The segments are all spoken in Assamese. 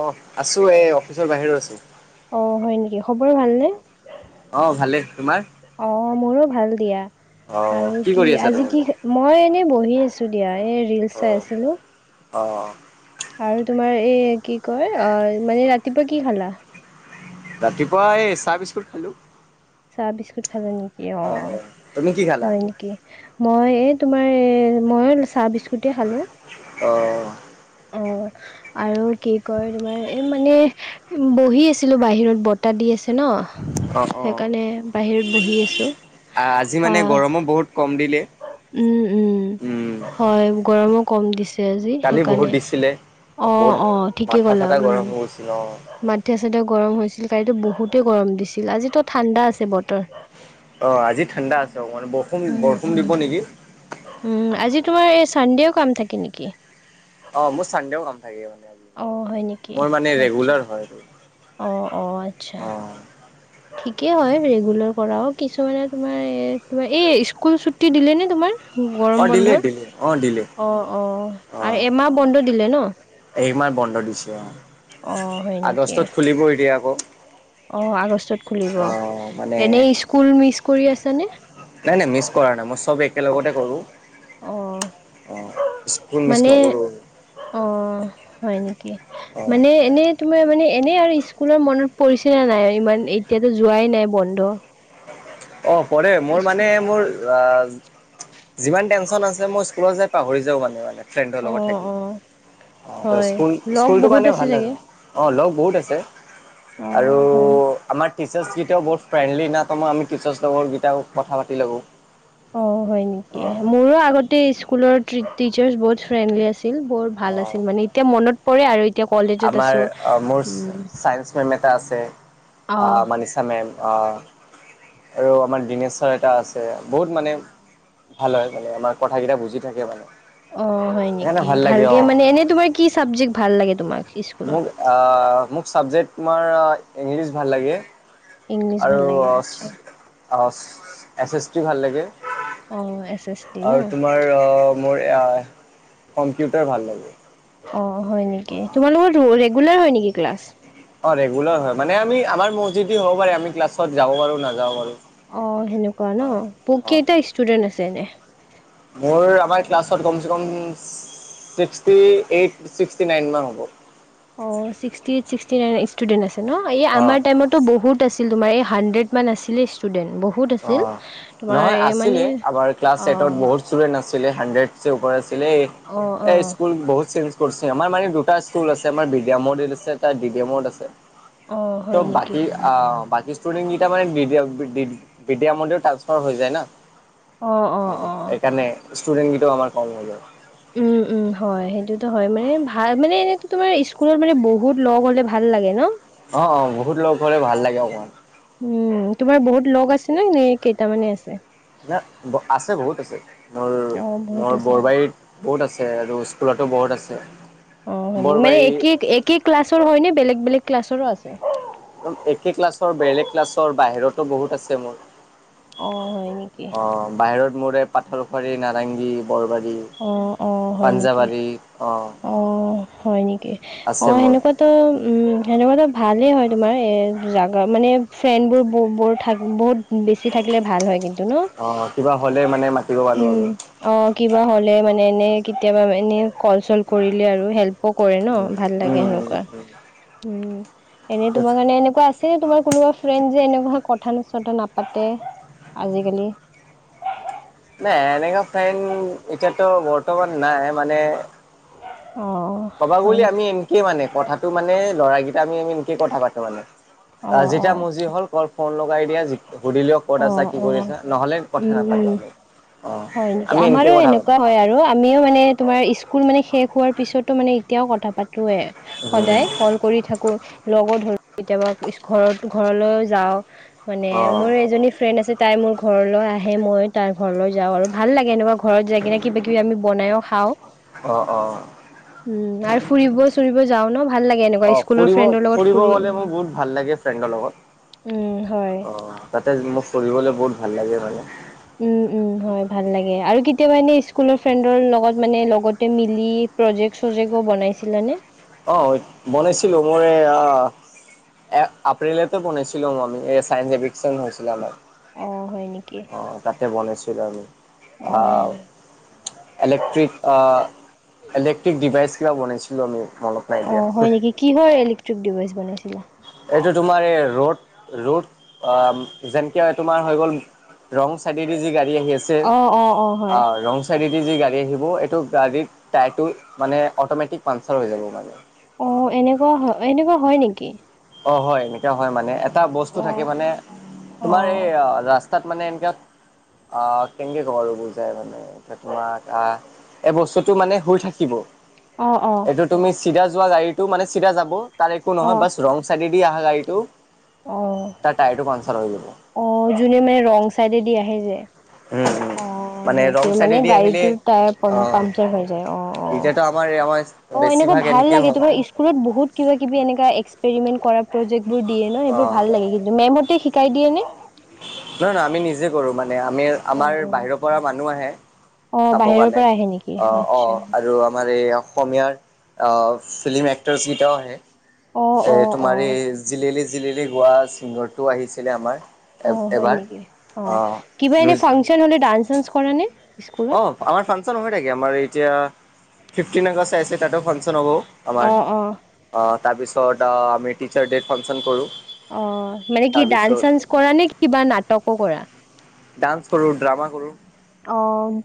অ', আছোঁ এ অফিচৰ বাহিৰত আছোঁ। অ', হয় নেকি, খবৰ ভালনে? অ', ভালেই। তোমাৰ? অ', মইও ভাল দিয়া। অ', আৰু কি কৰি আছা আজি তুমি? কি মই এনেই বহি আছোঁ দিয়া এ ৰিলচ চাই অ', আছিলোঁ। অ'। আৰু তোমাৰ এই কি কয়? অ, মানে ৰাতিপুৱা কি খালা? ৰাতিপুৱা এই চাহ বিস্কুট খালোঁ। চাহ বিস্কুট খালে নেকি অ তুমি কি খালা? হয় নেকি। মই এই তোমাৰ এই মইও চাহ বিস্কুটেই খালোঁ। অ [unintelligible] অ আৰু কি কয় তোমাৰ এই মানে বহি আছিলো বাহিৰত বতাহ দি আছিল। আছে ন অ', সেইকাৰণে বাহিৰত বহি আছোঁ আজি মানে আহ। গৰমো বহুত কম দিলে। উম-উম উম, হয় গৰমো কম দিছে। আজি কালি বহুত সেইকাৰণে দিছিলে বহুত অঁ-অঁ ঠিকে মাথা কলা চাথা উম গৰম হৈ গৈছিল অ'। মা - ত গৰম হৈছিল কালিটো বহুতেই গৰম দিছিল আজিতো ঠাণ্ডা আছে বতৰ - অ আজি ঠাণ্ডা আছে অ মানে উম, বৰষুণ-বৰষুণ উম। দিব নেকি। উম, আজি তোমাৰ এই চানডেও কাম থাকে নেকি? অ মোৰ চানডেও কাম থাকে অ', হয় মোৰ মানে ৰেগুলাৰ হয়। অ-অ আচ্ছা অ', ঠিকেই হয় ৰেগুলাৰ কৰাও কিছুমানে তোমাৰ তোমাৰ এই স্কুল ছুটি দিলে নে তোমাৰ - গৰম অ', দিলে বন্ধুৰ দিলে অ', দিলে। অঁ-অঁ আৰু এমাহ বন্ধ দিলে ন? এই মাহ বন্ধ দিছে অ', আগষ্টত খুলিব এতিয়া আকৌ। অ আগষ্টত খুলিব অ মানে এনে স্কুল মিচ কৰি আছানে? নাই-নাই মিচ কৰা নাই মই চব একেলগতে কৰো। অঁ অ- স্কুল মিছ মানে নকৰোঁ অ হয় নেকি অ মানে এনে তোমাৰ মানে এনেই আৰু স্কুলৰ মনত পৰিছে নে নাই ইমান এতিয়াতো যোৱাই নাই বন্ধ - অ পৰে মোৰ মানে মোৰ - বা যিমান টেনচন আছে মই স্কুলত যাই পাহৰি যাওঁ মানে। ফ্ৰেণ্ডৰ লগত অঁ থাকি অঁ অ হয় স্কুল লগ স্কুলতো বহুত মানে আছে ভাল চাগে অ লগ বহুত আছে আৰু অঁ হয় আমাৰ টিচাৰ্ছকেইটাও বহুত ফ্ৰেণ্ডলি না তোমাৰ আমি। টিচাৰ্চ লগৰকেইটাও কথা পাতি ল'ব। অ হয় নেকি মোৰো আগতে স্কুলৰ টিচাৰ্ছ বহুত ফ্ৰেণ্ডলি আছিল। আছিল বহু ভাল অ আছিল মানে এতিয়া মনত পৰে আৰু এতিয়া কলেজত আমাৰ আছোঁ মোৰ চাইন্স মেমে তাতে আছে অঁ আহ, মানিছা মেম। আহ [unintelligible] [inaudible] আৰু আমাৰ দিনেশ্বৰ এটা আছে বহুত মানে [unintelligible] ভালে-ভালে আমাৰ কথাকেইটা বুজি থাকে মানে। [unintelligible] [inaudible] অ, হয় সেইকাৰণে নেকি, ভাল লাগে ভালকে অ মানে এনে তোমাৰ কি চাবজেক্ট ভাল লাগে তোমাক? [unintelligible] মোক আহ মোক চাবজেক্ট তোমাৰ ইংলিছ ভাল লাগে। ইংলিছ ভাল আৰু লাগে আচ্ছা অ এছেট্ৰি ভাল লাগে অ এছ এছ টি ন আৰু তোমাৰ অ মোৰ - আহ কম্পিউটাৰ ভাল লাগে। অ হয় নেকি তোমাৰ লগত ৰেগুলাৰ হয় নেকি ক্লাছ অ ৰেগুলাৰ হয় মানে আমি আমাৰ মৰজিদি হব পাৰে আমি ক্লাছত যাব পাৰো নাযাব পাৰো। অ সেনেকুৱা অ ন অ কেইটা ষ্টুডেন্ট আছে এনেই মোৰ আমাৰ ক্লাছত কম চে কম - ছিক্সটি এইট ছিক্সটি নাইন মান হব - অ sixty eight sixty nine student আছে ন অ', আমাৰ বহুত আছিল তোমাৰ হাণ্ড্ৰেডমান আছিলে ষ্টুডেণ্ট - অ নহয় আছিলে আমাৰ ক্লাছ অ এইটত বহুত ষ্টুডেন্ট আছিল হাণ্ড্ৰেড - চে ওপৰ আছিলে অ অ এ স্কুল বহুত চেঞ্জ কৰিছিল। আমাৰ মানে দুটা স্কুল আছে আমাৰ বি ডি মডিত আছে, তাৰ ডি ড মত আছে। অ ত হয় নেকি বাকী আহ বাকী ষ্টোডেটেনইটা মানে দি দিয় দি। বিদ্যা মন্দিৰও ট্ৰানঞ্চফাৰ হৈ যায় ন অ সেইকাৰণে। ষ্টুডেণ্ট গিটাও আাৰ কম হৈ যায়। উম উম হয় সেইটোতো হয় মানে ভাল মানে এনে তোমাৰ স্কুলত মানে বহুত লগ হলে ভাল। লাগে ন। অ-অ, বহুত লগ হ'লে, ভাল লাগে অকমান। উম, তোমাৰ বহুত লগ আছে নে? নে কেইটামানে আছে। ন আছে বহুত আছে, অ', বহুত মোৰ-মোৰ আছে। বৰবাৰীত। বহুত আছে, আৰু স্কুলতো বহুত আছে। অ, হয় নেকি মানে বৰবাৰী একে-একে ক্লাছৰ হয় নে? বেলেগ-বেলেগ ক্লাছৰো আছে? একে ক্লাছৰ, বেলেগ ক্লাছৰ, বাহিৰতো বহুত আছে মোৰ। অ হয় নেকি? মোৰে পাথৰ শৰীৰ নাৰেংগী। বৰবাৰী, অ-অ, হয় নেকি? অ, হয় নেকি। অ, আছে মোৰ। সেনেকুৱাতো উম' সেনেকুৱাতো ভালে হয়। তোমাৰ এ জাগা মানে ফ্ৰেণ্ডবোৰ বৰ থাক বহুত বেছি থাকিলে ভাল হয় কিন্তু। ন, অ' কিবা হ'লে মানে মাতিব পাৰো উম' আৰু। অ, কি কিবা হ'লে মানে, এনেই কেতিয়াবা এনেই কল- চল কৰিলে আৰু হেল্প ত কৰে ন, উম, ভাল লাগে উম, উম, সেনেকুৱা। উম। উম' এনে তোমাৰ কাৰণে এনেকুৱা আছে, তোমাৰ কোনো অ, ফ্ৰেণ্ড যে এনেকুৱা কোনো কথা-চথা নাপাতে, আজি কালি। নাই, এনেকা ফ্ৰেণ্ড এতিয়াতো বৰ্তমান নাই। মানে অ ক'ব হয় গ'লে আমি নেকি এনেকে মানে, কথাটো মানে ল'ৰাকেইটা আমি এনেকে কথা পাতো মানে। অ আহ, অ যেতিয়া মজিৰ আচ্ছা হ'ল কই ফোন লগ কাই দিয়া সুধিলেও ক'ত অ আছা? কি অ কৰি আছা? নহ'লে কথা উম নাপাতো উম আমি। অ' হয় নেকি, আমি এনকে আমাৰো কথা পাতো। এনেকুৱা হয় আৰু আমিও মানে, তোমাৰ স্কুল মানে শেষ খোৱাৰ পিছতো মানে এতিয়াও কথা পাতোয়ে, উম। সদায় কল কৰি থাকো। লগো কেতিয়াবা ঘৰত-ঘৰলৈও যাওঁ, মানে মোৰ অ'। এজনী ফ্ৰেণ্ড আছে। তাই মোৰ ঘৰলৈ আহে, মই তাই ঘৰলৈ যাওঁ। আৰু ভাল লাগে এনেকুৱা ঘৰত যাই কিনে, কিবা-কিবি আমি বনায়ো খাওঁ। অ-অ। উম নাই ফুৰিব চুৰিব যাও ন। ভাল লাগে এনেকুৱা অ', স্কুলৰ ফুৰিব ফ্ৰেণ্ডৰ লগত ফুৰিব ফুৰি গ'লে মোৰ বহুত ভাল লাগে ফ্ৰেণ্ডৰ লগত। উম উম। অ তাতে মোক ফুৰিবলৈ বহুত ভাল লাগে মানে। উম উম হয় ভাল লাগে আৰু কেতিয়াবা এনে স্কুলৰ ফ্ৰেণ্ডৰ লগত মানে লগতে মিলি। প্ৰজেক্ট চজেক্টও বনাইছিলানে? অ বনাইছিলো মই এই। এ আপ্ৰিলতে বনাছিলো আমি। এ চাইন্স এভিকচন হৈছিলে আমাৰ। অ হয় নেকি অ, তাতে বনাছিলো আমি। অ, ইলেক্ট্ৰিক, অ, ইলেক্ট্ৰিক ডিভাইচ। সেইবিলাক বনাইছিলোঁ আমি। মনত নাই অ, এতিয়া হয় নেকি, কিহৰ ইলেক্ট্ৰিক ডিভাইচ বনাইছিলা? এইটো তোমাৰ এই ৰ'দ-ৰ'দ। অ, যেনেকে তোমাৰ হৈ গ'ল, ৰং চাইডে দি যি গাড়ী আহি আছে। অ, ৰং চাইড দি যি গাড়ী এ সেইবোৰ এইটো গাড়ীৰ টায়াৰ টো মানে অটমেটিক পামচাৰ হৈ যাব মানে। অ, এনেকুৱা হয়, এনেকুৱা হয় নেকি? অ হয়, এনেকা হয় মানে, এটা বস্তু অ থাকে মানে অ তোমাৰ এই ৰাস্তা তাত মানে এনেকা, আহ, কেনেকে কম আৰু বুজাই মানে, এতিয়া তোমাক আহ এই বস্তুটো মানে শুই থাকিব। অ অ এইটো তুমি চিধা যোৱা, গাড়ীতো মানে চিধা যাব। তাৰে একো অ নহয় বা ৰং চাইডে দি আহা গাড়ীটো, অ তাৰ টায়াৰটো পামচাৰ হৈ যাব। অ, যোনে মানে ৰং চাইডে দি আহে যে উম-উম অ, সেইটো মানে গাড়ীটোৰ টায়াৰ পাম অ -পামচাৰ হৈ যায়। অ-অ। এতিয়াতো আমাৰ আমাৰ অ, এনেকুৱা বেছিভাগ ভাল এনেকে লাগে। হয় তোমাৰ স্কুলত বহুত কিবা-কিবি এনেকা এক এক্সপেৰিমেন কৰা প্ৰজেক্টবোৰ দিয়ে ন, এইবোৰ ভাল লাগে কিন্তু, মেম হতে শিকাই দিয়ে নে? না-না আমি নিজে কৰো মানে, আমি, অ আমাৰ বাহিৰৰ পৰা মানুহ আহে। অ চাব বাহিৰৰ কাৰণে পৰা আহে নেকি আ অ আচ্ছা আৰু আমাৰ এই অসমীয়াৰ অ ফিল্ম এক্টৰ্ছ কিতাও আহে অ অ এ অ তুমাৰ এ জিলেলে জিলেলে গোৱা ছিংগাৰটো আহিছিলে আমাৰ অ হয় এবাৰ। নেকি অ কিবা এনে ফাংচন হলে ডান্স চান্স কৰা নে? স্কুলত অ আমাৰ ফাংচন হৈ থাকে আমাৰ এতিয়া ফিফটিন আগষ্ট আহিছিল তাতো ফাংচন হ'ব অ আমাৰ অ তাৰপিছত আমি টিচাৰ ডে ফাংচন কৰোঁ। অ মানে কি ডান্স তাৰপিছত চান্স কৰা নে কি বা নাটকো কৰা? ডান্স কৰো ড্ৰামা কৰো। অ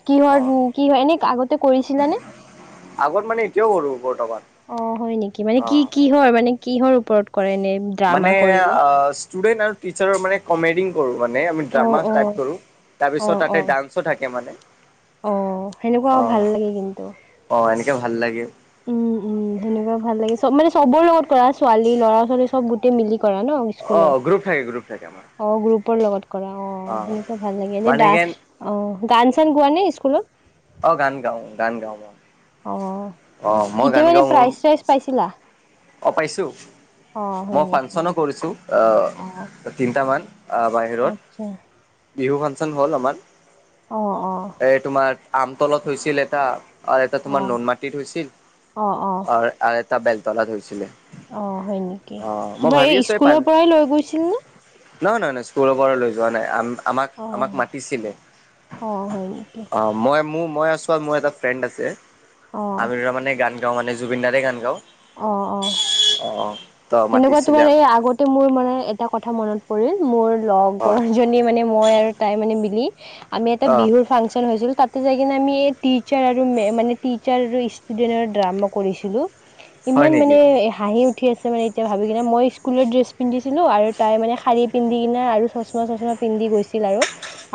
কিহৰ কি হয় এনে আগতে কৰিছিলানে? আগত মানে এতিয়াও কৰো কৰ অ হয় নেকি মানে কি কিহৰ মানে কিহৰ ওপৰত? কৰে এনে ড্ৰামা মানে কৰিলে ষ্টুডেন্ট আৰু টিচাৰৰ মানে কমেডি কৰোঁ মানে আমি অ ড্ৰামা অ টাইপ কৰোঁ অ তাৰপিছত অ তাতে ডান্সো থাকে মানে অ সেনেকুৱাও ভাল অ', লাগে কিন্তু অ', এনেকে ভাল লাগে উম উম সেনেকুৱা ভাল লাগে চব মানে চবৰ লগত কৰা ছোৱালী ল'ৰা ছোৱালী চব গোটেই মিলি কৰা ন স্কুলৰ অ', গ্ৰুপ থাকে গ্ৰুপ আমাৰ অ গ্ৰুপৰ লগত কৰা অ সেনেকুৱা ভাল লাগে এনে মানে কেন অ গান চান গোৱা নে? স্কুলত অ গান গাও গান গাও অ অ মই গান কেতিয়াবা এনে গাওঁ মোৰ প্ৰাইজ চাইজ পাইছিলা? অ পাইছোঁ অ হয় মই নেকি ফাংচনো কৰিছোঁ অ তিনিটামান বাহিৰত আচ্ছা বিহু ফাংচন হ'ল আমাৰ অ অ এই তোমাৰ আম তলত হৈছিল এটা আৰু এটা অ তোমাৰ নুন মাটিত হৈছিল অ অ আৰু এটা বেল তালাধ হৈছিলে। অ হয় নেকি অ', মই তোমাৰ ভাবি এই আছোঁ পান স্কুলৰ পৰাই লৈ গৈছিল নে নহয় নহয় নহয় স্কুলৰ পৰা লৈ যোৱা নাই আম আমাক অ আমাক মাতিছিলে অ হয় নেকি অ মই মোৰ মই ওচৰত মোৰ এটা ফ্ৰেণ্ড আছে অ আমি দুটা মানে গান গাওঁ মানে জুবিন দাৰেই গান গাওঁ অ অ অ ত সেনেকুৱা মাতিছিলে তোমাৰ এই আমাক আগতে মোৰ মানে এটা কথা মনত পৰিল মোৰ অ লগৰ জনী মানে মই আৰু তাই মানে মিলি আমি এটা অ বিহুৰ ফাংচন হৈছিল তাত তেতিয়া যাই কিনে আমি টিচাৰ আৰু মানে টিচাৰ আৰু ষ্টুডেণ্টৰ ড্ৰামা কৰিছিলোঁ। হয় ইমান নেকি মানে হাঁহি উঠি আছে মানে এতিয়া ভাবি কিনে মই স্কুলত ড্ৰেছ পন্ধিছিলো আৰু তাই মানে শাৰী পিন্ধি কিনে আৰু তাই চশমা চশমা পিন্ধি গৈছিল। আৰু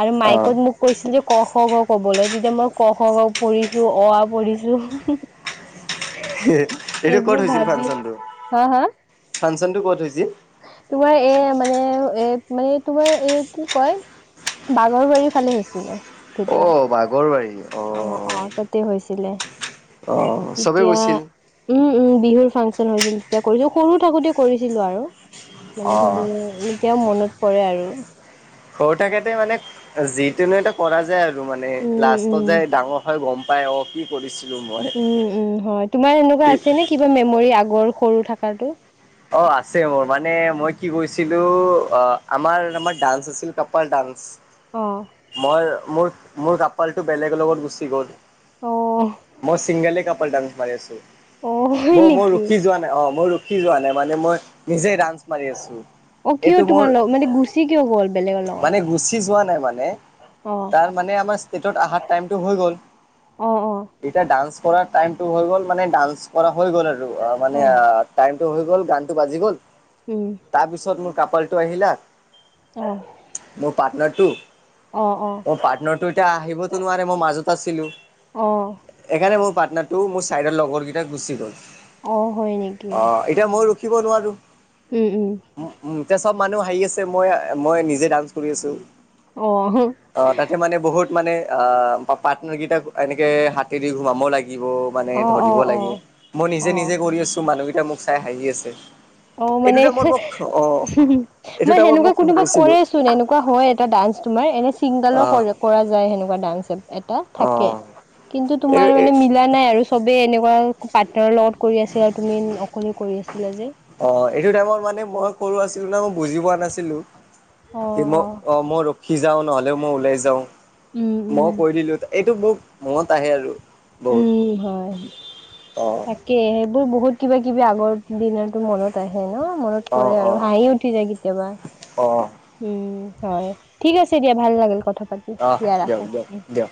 আৰু অ মাইকত মোক কৈছিল যে ক, খ, গ ক'বলৈ তেতিয়া মই ক খ গ ঘ পঢ়িছো অ আ পঢ়িছোঁ, হু হু হু এইটো ক'ত হৈছিল ফাংচনটো হা হা ফাংচনটো ক'ত হৈছিল? তোমাৰ এ মানে এ মানে তোমাৰ এ কি কয় বাঘৰবাৰীৰ ফালে হৈছিলে। অ ভিতৰত। বাঘৰবাৰী অ অ তাতে হৈছিলে অ চবেই তেতিয়া গৈছিল উম উম বিহুৰ ফাংচন হৈছিল তেতিয়া কৰিছিলো সৰু থাকোঁতে কৰিছিলো আৰু অ মানে সেইবোৰ এতিয়া মনত পৰে আৰু সৰু থাকেতে মানে যিটোনো এটা কৰা যায় আৰু তোৰ মানে লাষ্টত যে উম। ডাঙৰ হয় গম পাই অহ কি কৰিছো উম উম হয় তোমাৰ এনেকুৱা আছে নে কিবা মেমৰি আগৰ সৰু থাকাতো? অহ আছে মোৰ মানে মই কি কৰিছিলো অহ আমাৰ আমাৰ ডান্স আছিল কপাল ডান্স অ'। মই মোৰ মোৰ কাপালটো বেলেগৰ লগত গুচি গ'ল অ', মই চিংগলে কাপাল ডান্স মাৰি আছো অ', ম হয় মই নেকি? ৰখি যোৱা নাই অ মই ৰখি যোৱা নাই মানে মই নিজে ৰাান [unintelligible] মাৰি আছো অ', কিয় এইটো মোৰ তোমাৰ লগ মানে গুচি কিয় গ'ল বেলেগৰ লগত? মানে গুচি যোৱা নাই নে অ', তাৰ মানে আমাৰ টাইত অহাৰ টাইমটো হৈ গল অ', অ', এতিয়া ডান্স কৰাৰ টাইমটো হৈ গ'ল মানে ডান্স কৰা হৈ গ'ল আৰু মানে অ', টাইমটো হৈ গ'ল গান টো বাজি গ'ল উম, তাৰপিছত মোৰ কাপালটো আহিলা অ'। মোৰ পাৰ্টনাৰটো অঁ অঁ অহ পাৰ্টনাৰটো এতিয়া আহিবতো নোৱাৰে মই মাজত আছিলো অঁ সেইকাৰণে মোৰ পাৰ্টনাৰটো মোৰ চাইডৰ লগৰ কেইটা গুচি গ'ল অহ হয় নেকি অ' এতিয়া অহ মই ৰখিব নোৱাৰো উম উম চব মানুহ হাঁহি আছে মই মই নিজে ডান্স কৰি আছো অঁ অহ তাতে মানে বহুত মানে অহ পাৰ্টনাৰ কেইটাক এনেকে হাতে দি সোমাব লাগে লাগিব মানে অঁ ধৰিব অঁ লাগে অঁ মই নিজে অঁ নিজে কৰি আছো মানুহকেইটা মোক চাই হাঁহি আছে অহ এইটো মানে টাইমত হু মোক অ' ফেহু এইটো মই টাইমত সেনেকুৱা মোক কোনোবা হৈছিলো কৰেচোন এনেকুৱা হয় এটা ডান্স তোমাৰ এনে ছিংগলৰ অ' কৰা যায় সেনেকুৱা ডান্সব থাকে অ' কিন্তু এই তোমাৰ এই মানে মিলা নাই আৰু চবেই এনেকুৱা তেনেকুৱা পাৰ্টনাৰৰ লগত কৰি আছিলা আৰু তুমি অকলে কৰি আছিলা যে অহ এইটো টাইমত মানে মই সৰু আছিলো ন মই বুজি পোৱা নাছিলো অঁ মই অঁ অহ মই ৰখি যাওঁ নহ'লে তেওঁ মই উওলাই যাওঁ উম মই উম কৈ দিলো এইটো মোক মনত আহে আৰু বহুত উম হয় অ তাকে তোৰ বহুত কিবা কিবি আগৰ দিনতো মনত আহে ন মনত অ পৰে অ আৰু হাঁহি উঠি যায় কেতিয়াবা অ উম হয় ঠিক আছে দিয়া ভাল লাগিল কথা পাতি অ দিয়া দিয়ক ৰাখো দিয়ক উম দিয়ক